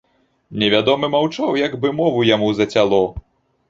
Невядомы маўчаў, як бы мову яму зацяло.